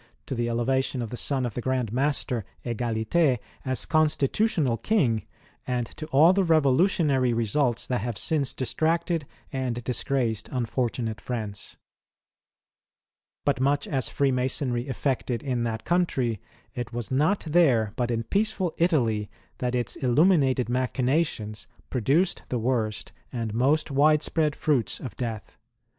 to the elevation of the son of the Grand Master, Egalite, as Constitutional King, and to all the revolutionary results that have since distracted and disgraced unfortunate France. But much as Freemasonry effected in that country, it was not there but in peaceful Italy that its illuminated machinations produced the worst and most wide spread fruits of death.